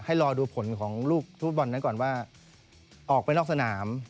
รอดูผลของลูกฟุตบอลนั้นก่อนว่าออกไปนอกสนาม